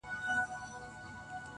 څه وکړمه لاس کي مي هيڅ څه نه وي.